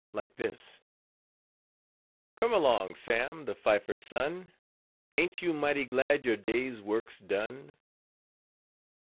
like this: "Come along, Sam, the fifer's son, &#160Aint you mighty glad your day's work's done?